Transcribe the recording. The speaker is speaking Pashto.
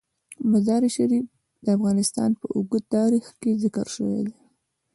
مزارشریف د افغانستان په اوږده تاریخ کې ذکر شوی دی.